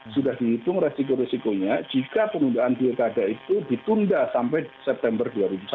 sudah dihitung resiko resikonya jika penundaan pilkada itu ditunda sampai september dua ribu sembilan belas